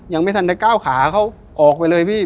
ยังไม่ทันได้ก้าวขาเขาออกไปเลยพี่